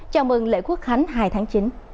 chào mừng lễ quốc khánh hai tháng chín